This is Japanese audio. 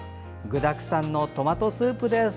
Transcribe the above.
具だくさんのトマトスープです。